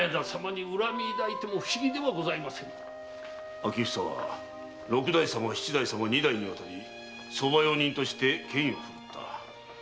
詮房は六代様七代様二代に渡り側用人として権威を奮った。